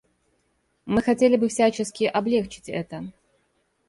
Мы хотели бы всячески облегчить это.